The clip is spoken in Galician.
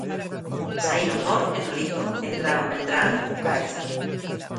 Saíron Mor e Nolito e entraron Beltrán e Baeza.